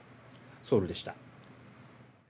ソウルでした。